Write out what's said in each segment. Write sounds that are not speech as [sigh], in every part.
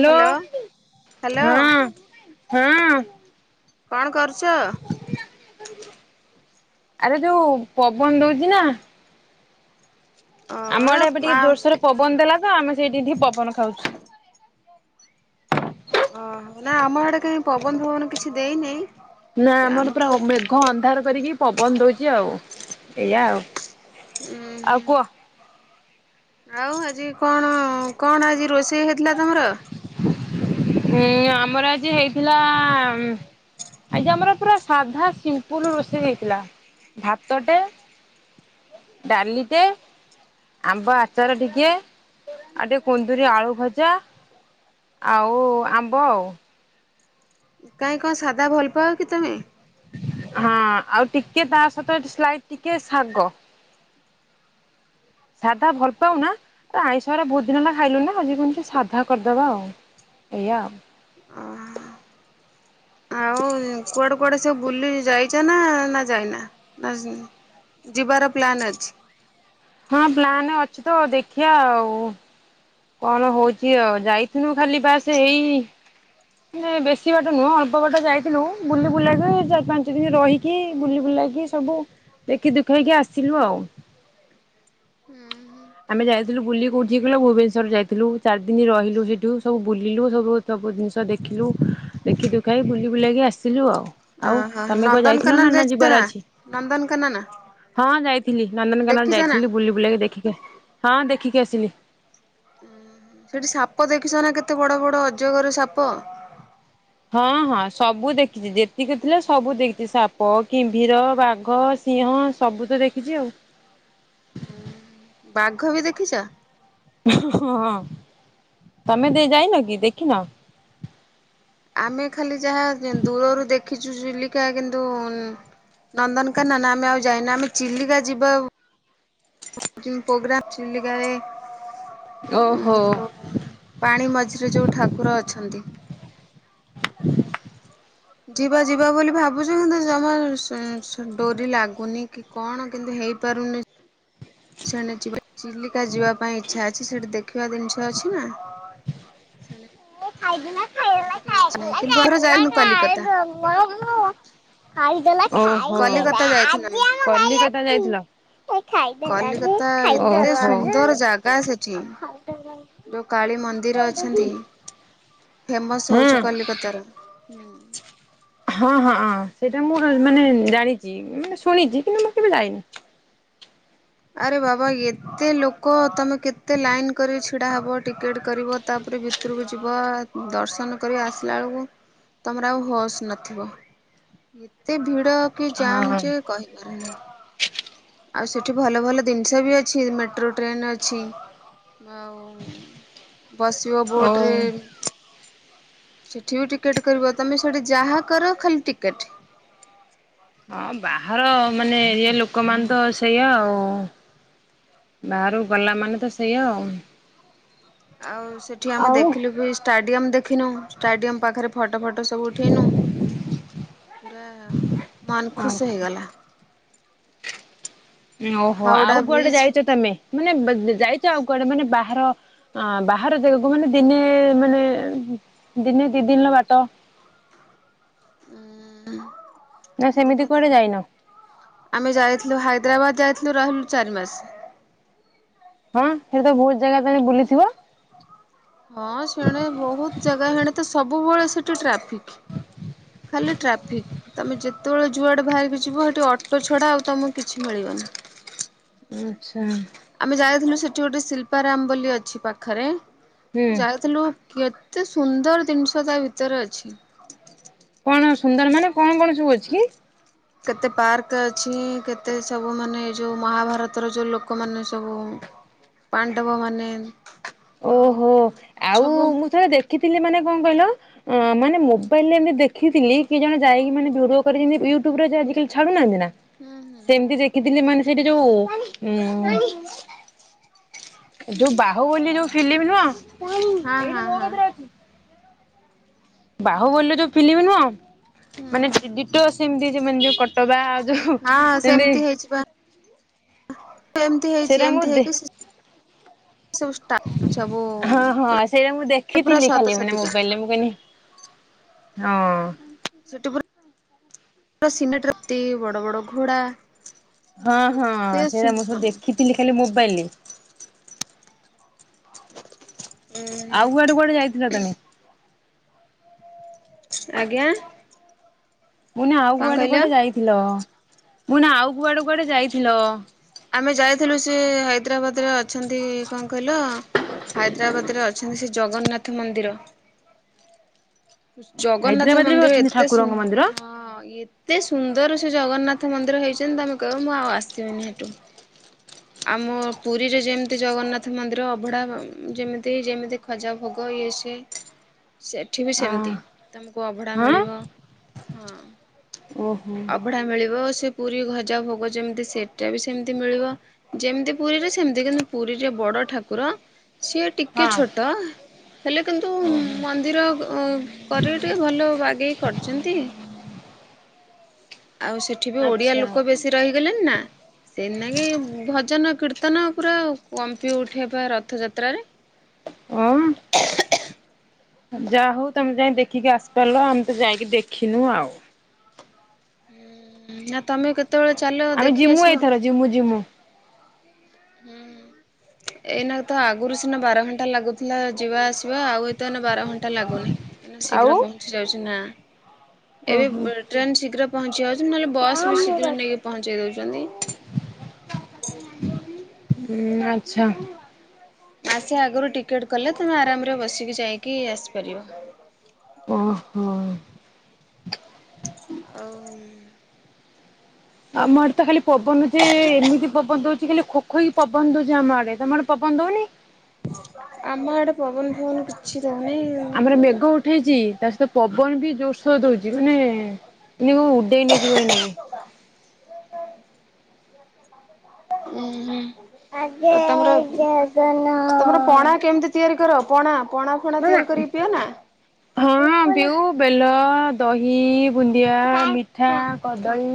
Hello hello hello ହଁ ହଁ କଣ କରୁଚ? ଆରେ ଯୋଉ ପବନ ଦୋଉଚି ନା ଅ ଆମ ଆଡେ ଏବେ ମା ଟିକେ ଜୋରସୋର ପବନ ଦେଲା [unintelligible] ଆମେ ସେଇଟିଏଠି ପବନ ଖାଉଚୁ। ଓଅଂ ନା ଆମ ଆଡେ କାଁ ପବନ ଫବନ କିଛି ଦେଇନେଇ ନା ଆମର ଆମେ ତ ପୁରା ଅ ମେଘ ଅନ୍ଧାର କରିକି ପବନ ଦୋଉଚି ଆଉ। ଏଇଆ ଆଉ। ହୁଁ ଆଉ କୁହ ହ। ଆଉ ଆଜି କଣ କଣ ଆଜି ରୋଷେଇ ହେଇଥିଲା ତମର? ହୁଁ ଆମର ଆଜି ହେଇଥିଲା ଆଜି ଆମର ପୁରା ସାଧା ସିମ୍ପଲ ରୋଷେଇ ହେଇଥିଲା ଭାତଟେ ଡାଲିଟେ ଆମ୍ବ ଆଚାର ଟିକେ ଆଉ ଟିକେ କୁନ୍ଦରି ଆଳୁ ଭଜା ଆଉ ଆମ୍ବ। କାହିଁ କଣ ସାଧା ଭଲ ପାଅ କି ତମେ? ହଁ ଆଉ ଟିକେ ତା ସହିତାଇ ଟିକେ ଶାଗ ସାଧା ଭଲ ପାଉନା ଆଇଁଷରେ ବହୁତ ଦିନ ହେଲା ଖାଇଲୁ ନା ଆଜି କମତି ସାଧା କରିଦବା ଆଉ ଏଇଆ ଆଉ। ଆଉ କୁଆଡେ କୁଆଡେ ସୁ ବୁଲି ଯାଇଛ ନା ନା ଯାଇନା ନା ଯିବାର ପ୍ଲାନ୍ ଅଛି? ହଁ ପ୍ଲାନ ଅଛି ତ ଦେଖିବା ଆଉ। କଣ ହଉଛି ଆଉ ଯାଇଥିଲୁ ଖାଲି ବାସ୍ ଏଇ ମେ ବେଶୀ ବାଟ ନୁହଁ ଅଳ୍ପ ବାଟ ଯାଇଥିଲୁ ବୁଲି ବୁଲାେଇକି ଚାରି ପାଞ୍ଚ ଦିନ ରହିକି ବୁଲି ବୁଲେଇକି ସବୁ ଦେଖି ଦୁଖେଇକି ଆସିଲୁ ଆଉ। ଆମେ ଯାଇଥିଲୁ ବୁଲ କୋଉଠି ଇକି କିଲୋ ଭୁବନେଶ୍ଵର ଯାଇଥିଲୁ ଚାରି ଦିନ ରହିଲୁ ସେଇଠୁ ସବୁ ବୁଲିଲୁ ସବୁ ସବୁ ଜିନିଷ ଦେଖିଲୁ ଦେଖି ଦେଖାଇ ବୁଲି ବୁଲକି ଆସିଲୁ ଆଉ। ଆଉ ଓହୋ ତମେ କଣ ଯାଇଥିଲ ନନ୍ଦନକାନନ ନାନ ଯାଇଛ ଯିବାର ନା ଅଛି ନନ୍ଦନକାନନ ହଁ ଯାଇଥିଲି ନନ୍ଦନକାନନ ଦେଖିଛ ନା? ଯାଇଥିଲି ବୁଲି ବୁଲାକି ଦେଖି ହଁ ଦେଖିକି ଆସିଲି। ଉ ସେଠି ସାପ ଦେଖିଛ ନା କେତେ ବଡ ବଡ ଅଜଗର ସାପ? ହଁ ହଁ ସବୁ ଦେଖିଛି ଯେତିକି ଥିଲା ସବୁ ଦେଖିଛି ସାପ କିମ୍ଭୀର ବାଘ ସିଂହ ସବୁ ତ ଦେଖିଛି ଆଉ। ବାଘ ବି ଦେଖିଛ? ହଁ ହଁ ତମେ ଦେଇ ଯାଇନ କି ଦେଖିନ? ଆମେ ଖାଲି ଯାହା ଦୂରରୁ ଦେଖିଛୁ ଚିଲିକା କିନ୍ତୁ ନନ୍ଦନକାନ ନା ଆମେ ଆଉ ଯାଇନ ଆମେ ଚିଲିକା ଯିବା ବକଂ ପ୍ରୋଗ୍ରାମ ଚିଲଗଏ ଓହୋ। ଯୋଉ ପାଣି ମଝିରେ ଯୋଉ ଠାକୁର ଅଛନ୍ତି। [unintelligible] ଯିବା ଯିବା ବୋଲି ଭାବୁଛ କିନ୍ତୁ ଜମା ଉଁ ଡୋରି ଲାଗୁନି କି କଣ କିନ୍ତୁ ହେଇପାରୁନି। ଶେନେ ଜି ଚିଲିକା ଯିବା ପାଇଁ ଇଚ୍ଛା ଅଛି ସେଠି ଦେଖିବା ଜିନିଷ ଅଛି ନା। ଖାଇବୁ ନା [unintelligible] ଟେ ଇା ନାହିଁ କିନ୍ତୁ ଆର ଯାଏନୁ କଲିକତା। କଲିକତା ଯାଇଥିଲୁ ଆମେ। ବେଲେ। ଓହୋ ଏତେ କଲିକତା ସୁନ୍ଦର ଜାଗା ସେଠି। ଯାଇଥିଲା ଯୋଉ କାଳୀ ମନ୍ଦିର ଅଛନ୍ତି ଓହୋ ଫେମସ ହଉଛି କଲିକତାର ହୁଁ। ହଁ ହଁଁ ସେଇଟା ମୁଁ ର ମାନେ ଜାଣିଛି ମାନେ ଶୁଣିଛି କିନ୍ତୁ ମୁଁ କେବେ ଯାଇନି। ଆରେ ବାବା ଏତେ ଲୋକ ତମେ କେତେ ଲାଇନ କରି ଛିଡା ହବ ଟିକେଟ କରିବ ତାପରେ ଭିତରକୁ ଯିବ ଦର୍ଶନ କରି ଆସିଲା ବେଳକୁ ତମର ଆଉ ହସ୍ ନଥିବ ଏତେ ଭିଡ଼ କି ଜାମ୍ ହଁ ଯେ କହିପାରନି। ଆଉ ସେ କିଠୁ ଭଲ ଭଲ ଜିନିଷ ବି ଅଛି ମେଟ୍ରୋ ଟ୍ରେନ ଅଛି। ଆଉ ବସିବ ଓ ବୋଟରେ। ସେଠି ବି ଟିକେଟ କରିବ ତମେ ସେଠି ଯାହା କର ଖାଲି ଟିକେଟ ହଁ ବାହାର ମାନେ ଏରିଆ ଲୋକମାନେ ତ ସେଇଆ ଆଉ ବାହହାରକୁ ଗଲା ମାନେ ତ ସେଆ ଆଉ। ଆଉ ସେଠି ଆମେ ଆଉ ଦେଖିଲୁ ବି ଷ୍ଟାଡିୟମ ଦେଖ ଦକ୍ଷିଣ ଷ୍ଟାଡିୟ ପାଖରେ ଫଟୋ ଫଟ ଫଟ ସବୁ ଉଠେଇନୁ ପୁରା ମନ ଆଉ ଖୁସ ହେଇଗଲା। ଓହୋ ହାଉଡା ଆଉ କୁଆଡେ ବ୍ରିଜ ଯାଇଛ ତମେ ମାନେ ବ ଯାଇଛ ଆଉ କଆଡୋନେ ବା ବାହାର ବାହାର ଜାଗାକୁ ମାନେ ଦିନେ ମାନେ ଦିନେ ଦି ଦିନର ବାଟ ନା ହୁଁ ସେମିତି ଦିନେ କୁଆଡେ ଦିନେ ଯାଇନ? ଆମେ ଯାଇଥିଲୁଇ ହାଇଦ୍ରାବାଦ ଯାୟତ ନୁ ରହିଲୁ ଚାରି ମାସ ହଁ ସେଟ ତ ବହୁତ ଜାଗା ତମେ ବୁଲିଥିବ। ହଁ ସେଣେ ବହୁତ ଜାଗା ହେଣେ ତ ସବୁବେଳେ ସେଠି ଟ୍ରାଫିକ ଖାଲି ଟ୍ରାଫିକ ତମେ ଯେତେବେଳେ ଯୁଆଡେ ବାହାରିକି ଯିବ ସେଠି ଅଟୋ ଛଡା ଆଉ ତମକୁ କିଛି ମିଳିବନି ଆଛା ଆମେ ଯାଇଥିଲୁ ସେଠି ଗୋଟେ ଶିଳ୍ପାରାମ୍ବ ଅଛି ପାଖରେ ହୁଁ ଯାଇଥିଲୁ। କେତେ ସୁନ୍ଦର ଜିନିଷ ତା ଭିତରେ ଅଛି। କଣ ସୁନ୍ଦର ମାନେ କଣ କଣ ସବୁ ଅଛି କି? କେତେ ପାର୍କ ଅଛି କେତେ ସବୁ ମାନେ ଯେଉଁ ମହାଭାରତର ଯେଉଁ ଲୋକମାନେ ସବୁ ପାଣ୍ଡବମାନେ ଆ ସବୁ ଦେଖିଥିଲେ ମାନେ କଣ କହିଲ ଅ ମାନେ ମୋବାଇଲ ରେ ଏମି ଦେଖଥିଲି କି ଜଣେ ଯାଇକି ମାନେ ଭିଡିଓ କରିମତି ୟୁଟ୍ୟୁବରେ ଆଜିକାଲି ଛାଡୁନାହାନ୍ତି ନା ହୁଁ ସେମିତି ଦେଖିଥିଲି ମାନେ ସେଇଠି ଯୋଉ ଉଁ ଯୋଉ ବାହୁ ବୋଲି ଯୋଉ ଫିଲ୍ମ ନୁହଁ। ହଁ ହଁ ଏଇଡିିିନ ହଁ ହୋଗଦ୍ର ଆଛି। ବାହୁ ବୋଲିୋଲୁ ତୋ ପିଲିବି ନୁହଁ। ହୁଁ ମାନେ ହୁଁ। ଦଟ ସେମତି ସେ ମ ଯୋଉ କଟବା ଆଉ ଯୋଉ ହଁ ଏମତି ସେମିତି ଏମତି ହେଇଛି ଏମତି ହେଇକି ସବୁ ହଁ ହଁ ସେଇଟା ମୁଁ ପୁରା ଦେଖିଥିଲି ଖାଲି ଶତ ମାନେ ଶତିକା ମୋବାଇଲରେ ମୁଁ କହିଲି ହଁ ସେଠୁରିନ ବଡ ବଡ ଘୋଡା ହଁ ହଁ କେତେ ସେଇଟା ମୁଁ ସବୁ ସୁନ୍ଦର ଦେଖିଥିଲି ଖାଲି ମୁ ବଲିି [inaudible] ଆଉ କୁଆଡେ କୁଆଡେ ଯାଇଥିଲ ତେମେ? ଆଜ୍ଞା ମୁୁନା ଆଉ କଣ କୁଆଡେ କହିଲ? କୁଆଡେ ଯାଇଥିଲ? ମୁଁନା ଆଉ କୁଆଡେ କୁଆଡେ ଯାଇଥିଲ? ଆମେ ଯାଇଥିଲୁ ସେ ହାଇଦ୍ରାବାଦ ରେ ଅଛନ୍ତି କଣ କହିଲ ହାଇଦ୍ରାବାଦ ରେ ଅଛନ୍ତି ସେ ଜଗନ୍ନାଥ ମନ୍ଦିର ଜଗନ୍ନାଥ ହାଇଦ୍ରାବାଦରେ ବି ମନ୍ଦିର ଅଛନ୍ତି ଏତେ ସୁ ଠାକୁରଙ୍କ ମନ୍ଦିର? ହଁ ଏତେ ସୁନ୍ଦର ଜଗନ୍ନାଥ ମନ୍ଦିର ହେଇଛନ୍ତି ତମେ କହିବ ମୁଁ ଆଉ ଆସିବିନି ହେଠୁ ଆମ ପୁରୀରେ ଯେମିତି ଜଗନ୍ନାଥ ମନ୍ଦିର ଅଭଢ଼ା ଯେମିତି ଯେମିତି ଖଜା ଭୋଗ ଇଏ ସିଏ ସେଠି ବି ଅ ସେମି ତି ତମକୁ ଅଭଢା ହଁ ମିଳିବ ହଁ ଓହୋ ସେ ପୁରୀ ଭଜା ଭୋଗ ଯେମିତି ସେଟା ବି ସେମିତି ମିଳିବ ଯେମିତି ପୁରୀରେ ସେମିତି କିନ୍ତୁ ପୁରୀରେ ବଡ ଠାକୁର ସିଏ ଟିକେ ହଁ ଛୋଟ ହେଲେ କିନ୍ତୁ ମନ୍ଦିର କରିବେ ଟିକେ ଭଲ ବାଗେଇ କରିଛନ୍ତି। ଆଉ ସେଠି ବି ଓଡିଆ ଆଚ୍ଛା। ଲୋକ ବେଶୀ ରହିଗଲେଣିି ନା ରତନ ପୁରା କମ୍ପି ଉଠେ ବା ରଥଯାତ୍ରାରେ ହଁ ଯା ହଉ ତମେ ଯାଇ ଦେଖିକି ଆସିପାରିଲ ଆମେ ତ ଯାଇକି ଦେଖିନୁ ଆଉ। ନା ତମେ କେ ଆମେ ଜିମୁ ଏଇଥର ଜିମୁ ଜିମୁ। ହୁଁ ହୁଁ ଏଇନା ତ ଆଗରୁ ସିନା ବାର ଘଣ୍ଟା ଲାଗୁଥିଲା ଯିବା ଆସିବା ଆଉ ଏତ ଏ ବାର ଘଣ୍ଟା ଲାଗୁନି। ଏଇନୁ ଆଉ ଶୀଘ୍ର ପହଞ୍ଚି ଯାଉଛି ନା ଏବେ ଓହୋ। ହୁଁ ଟ୍ରେନ ଶୀଘ୍ର ପହଞ୍ଚି ଯାଉ ନହେଲେ ବସ୍ ବି ଶୀଘ୍ର ନେଇକି ପହଞ୍ଚେଇ ଦଉଛନ୍ତି। ଆଛା ଆସ ଆଗରୁ ଟିକେଟ୍ କଲେ ତମେ ଆରାମରେ ବସିକି ଯାଇକି ଆସିପାରିବ। ଓହୋ ଆଉ। ଆମର ତ ଖାଲି ପବନ ଯେ ଏମିତି ପବନ ଦଉଛି ଆଜି ଖାଲି ଖୋଖୋହୋଇ ପବନ ଦଉଛି ଆମେ ଆଡେ ତମ ଆଡେ ପବନ ଦଉନି। ଆମ ଆଡେ ପବନ ହଉନି କିଛି ଦଉନି ଆମର ଉଁ ମେଘ ଉଠେଇଛି। ତା ସହିତ ପବନ ବି ଜୋରସୋର ଦଉଛି ମାନେ ନିଉ ଉଡେଇ ନେଇ ଯିବ ଏଇନାକେ। ହୁଁ ଉଁ। ଆଗେ ଜଗନ ତମର ପଣା କେମିତି ତିଆରି କର ପଣା ପଣା ଫଣା ମାମା ତିଆରି କରିକି ପିଅ ନା? ହଁ ବିଉ ବେଲ ଦହି, ବୁନ୍ଦିଆ, ମିଠା, କଦଳୀ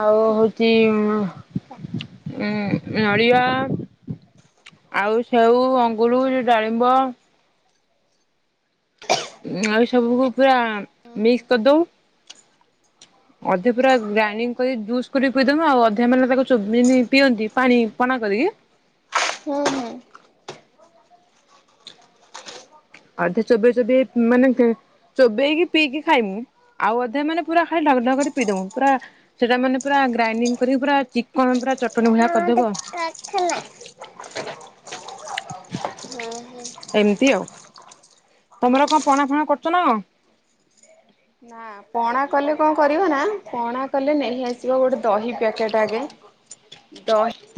ଆଉ ହଉଛି ଉଁ ନଡିଆ ଆଉ ସେଉ, ଅଙ୍ଗୁରୁ, ଡାଳିମ୍ବ ଆଉ ସବୁକୁ ପୁରା ମିକ୍ସ କରିଦୋଉ ଅଧେ ପୁରା ଗ୍ରାଇଣ୍ଡିଙ୍ଗ କରି ଜୁସ୍ କରିକି ପିଇ ଦୋଉ ଆଉ ଅଧା ମାନେ ତାକୁ ଚୋବେଇକି ଯେମିତି ପିଅନ୍ତି ପାଣି ପଣା କରିକି ହୁଁ ହୁଁ। ଅଧା ଚୋବେଇ ଚୋବେଇ ମାନେ ଚୋବେଇକି ପିଇକି ଖାଇମୁ ଆଉ ଅଧା ମାନେ ପୁରା ଖାଲି ଢକଢକ ପିଇଦମୁ ପୁରା ସେଟା ମାନେ ପୁରା ଗ୍ରାଇଣ୍ଡିଂ କରିକି ପୁରା ଚିକଣ ପୁରା ଚଟଣି ଭଳିଆ କରିଦବୁ ଆଉ। ହୁଁ ଏମିତି ଆଉ ହୁଁ ତମର କଣ ପଣା ଫଣା କରୁଛ ନା କଣ? ନା ପଣା କଲେ କଣ କରିବ ନା ପଣା କଲେ ନେଇ ଆସିବ ଗୋଟେ ଦହି ପ୍ୟାକେଟ ଆଗେ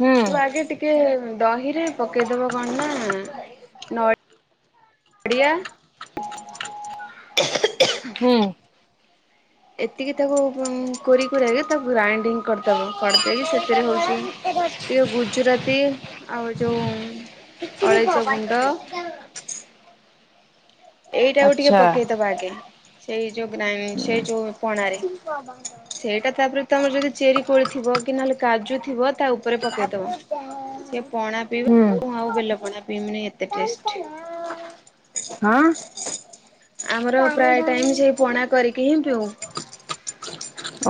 ହୁଁ ଆଗେ ଟିକେ ଦହିରେ ପକେଇଦବ କଣ ନା ନଡ଼ିଆ ହୁଁ। ଏତିକି ତାକୁ କୋରି କୁରା କି ତାକୁ ଗ୍ରାଇଣ୍ଡିଙ୍ଗ କରିଦବ କରିଦେଇକି ସେ ଏଥିରେ ହୋଉଛି ଟିକେ ଗୁଜୁରାତି ଆଉ ଯୋଉ ଅଳେଇଚ ଗୁଣ୍ଡ ଏଇଟାକୁ ଟିକେ ଆଚ୍ଛା। ପକେଇଦବା ଆଗେ ସେଇ ଯୋଉ ଗ୍ରାଇ ସେଇ ଯୋଉ ପଣାରେ ହୁଁ। ସେଇଟା ତାପରେ ତମର ଯଦି ଚେରି କୋଳି ଥିବ କି ନହେଲେ କାର୍ଯ୍ୟ ଥିବ ତା ଉପରେ ପକେଇଦବ ସିଏ ପଣା ପିଇବ ମୁଁ ଆଉ ବେଲ ପଣା ପିଇବିନି ଏତେ ଟେଷ୍ଟି ହଁ ଆମର ପ୍ରାୟ ଟାଇମ ସେଇ ପଣା କରିକି ହିଁ ପିଉ।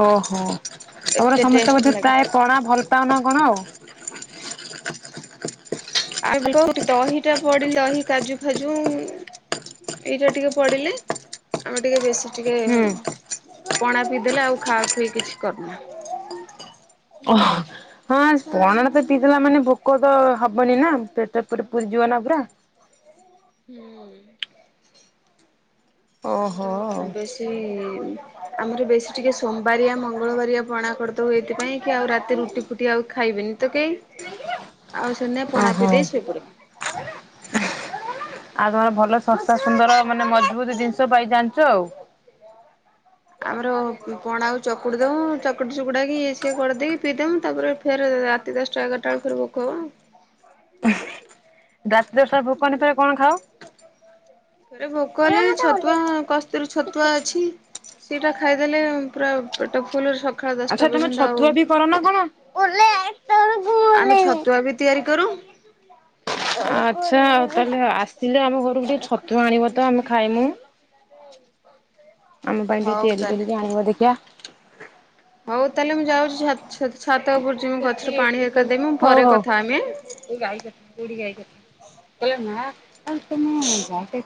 ଓହୋ। ତମର ଏତେ ସମସ୍ତେ ଟେଷ୍ଟ ବୋଧେ ଲାଗେ। ପ୍ରାୟ ପଣା ଭଲ ପାଉନ କଣ ଆଉ ଆଉ ଦହିଟା ପଡିଲେ ଦହି କାଜୁ ଫାଜୁ ଏଇଟା ଟିକେ ପଡିଲେ ଆମେ ଟିକେ ବେଶୀ ଟିକେ ପଣା ପିଇଦେଲେ ଆଉ ଖାଆଖୁଇ କିଛି କରୁନା। ଓ ହଁ ପଣା ଟ ତ ପିଇଲା ମାନେ ଭୋକ ତ ହବନି ନା ପେଟ ଫେଟ ପୁର ଯିବ ନା ପୁରା ହୁଁ ଓହୋ। ଆମର ବେଶୀ ଆମର ବେଶୀ ଟିକେ ସୋମବାରିଆ ମଙ୍ଗଳବାରିଆ ପଣା କର ତୁ ଏଥିପାଇଁ କି ଆଉ ରାତି ରୁଟି ଫୁଟି ଆଉ ଖାଇବେନି ତ କେହି ଆଉ ସେମିତି ପଣା ପିଇ ଓହୋ। ଦେଇ ଶୋଇପଡୁ। ଆଉ ତମର ଭଲ ଶସ୍ତା ସୁନ୍ଦର ମାନେ ମଜବୁତ ଜିନିଷ ପାଇ ଜାଣିଛ ଆଉ ଆମର ପଣାକୁ ଚକୁଡି ଦଉୁ ଚକୁଡି ଚୁକୁଡାକି ଇଏ ସିଏ କରିଦେଇି ପିଇ ଦଉ ତାପରେ ଫେର ରାତି ଦଶଟା ଏଗାରଟା ବେଳେ ଫେର ଭୋକ ହବ ଆଉ ରାତି ଦଶଟା ଭୋକ ହେଲେ ଥରେ କଣ ଖାଅ ଥରେ ଭୋକ ହେଲେ ଛତୁଆ କସ୍ତୁରି ଛତୁଆ ଅଛି। ସେଇଟା ଖାଇଦେଲେ ପୁରା ପେଟ ଫୁଲ ସ ଆଚ୍ଛା ତମ ଛତୁଆ ବି କରନା କଣ? ଆମେ ଛତୁଆ ବି ତିଆରି କରୁ ତାହଲେ ଆସିଲେ ଆମ ଘରକୁ ଟିକେ ଛତୁଆ ଆଣିବ ତ ଆମେ ଖାଇମୁ ଆମ ପାଇଁ ଟିକେ ହଉ ତିଆରି ତାହେଲେ। କରିକି ଆଣିବ ଦେଖିଆ ହଉ ତାହେଲେ ମୁଁ ଯାଉଛି ଛାତ ଛ [unintelligible] ହଉ ହଉ ଏଇ ପରେ କଥା ଗାଈ ହେମି ଆଁ। କତିକି ଯିମି ଗାଈ କତିକି କହିଲା ମା ଆ ତମ